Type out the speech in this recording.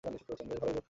বেশ ভালই বোধ করছি।